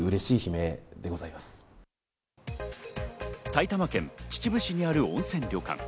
埼玉県秩父市にある温泉旅館。